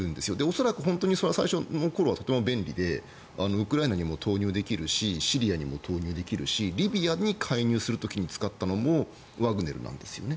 恐らく、最初の頃はとても便利でウクライナにも投入できるしシリアにも投入できるしリビアに介入する時に使ったのもワグネルなんですよね。